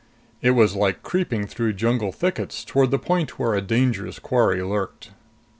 It was like creeping through jungle thickets towards the point where a dangerous quarry lurked.